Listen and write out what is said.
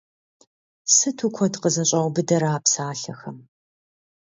Сыту куэд къызэщӀаубыдэрэ а псалъэхэм!